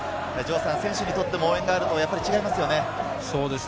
選手にとっても応援があると違いますよね。